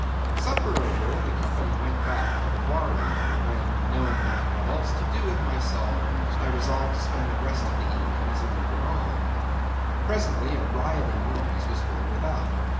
Supper over, the company went back to the bar room, when, knowing not what else to do with myself, I resolved to spend the rest of the evening as a looker on. Presently a rioting noise was heard without.